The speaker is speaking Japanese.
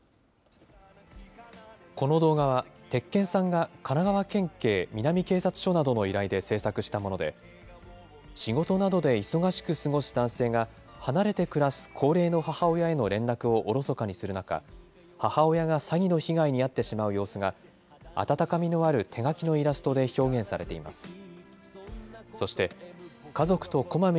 この動画は、鉄拳さんが神奈川県警南警察署などの依頼で制作したもので、仕事などで忙しく過ごす男性が、離れて暮らす高齢の母親への連絡をおろそかにする中、母親が詐欺の被害に遭ってしまう様子が、温かみのある手描きのイラストで表現されています。